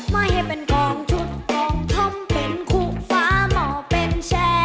ให้เป็นของชุดของท่มเห็นขุฟ้าหม่อเป็นแชร์